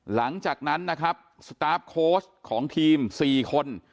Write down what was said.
หลังจากนั้นนะครับสตาร์ฟโค้ชของทีม๔คน